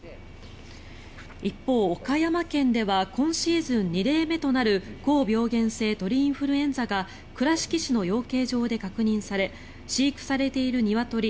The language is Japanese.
一方、岡山県では今シーズン２例目となる高病原性鳥インフルエンザが倉敷市の養鶏場で確認され飼育されているニワトリ